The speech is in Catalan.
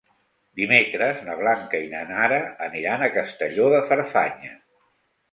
Dimecres na Blanca i na Nara aniran a Castelló de Farfanya.